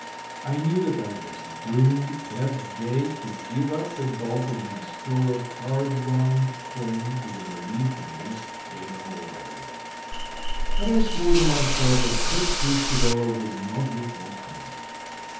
I knew that I was doomed that day to give up the bulk of my store of hard wrung coin to the relief of this Ada Lowery. But I swore to myself that Tripp's whiskey dollar would not be forthcoming.